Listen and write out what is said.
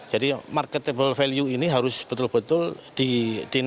jadi marketable value ini harus betul betul dinetralisirkan